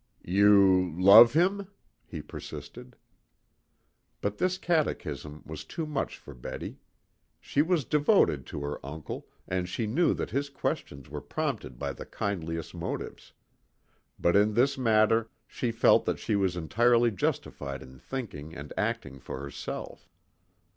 "You love him?" he persisted. But this catechism was too much for Betty. She was devoted to her uncle, and she knew that his questions were prompted by the kindliest motives. But in this matter she felt that she was entirely justified in thinking and acting for herself.